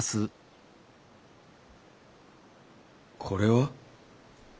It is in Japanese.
これは？